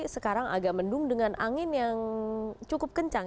sekarang agak mendung dengan angin yang cukup kencang